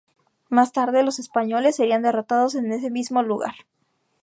Más tarde, los españoles serían derrotados en ese mismo lugar.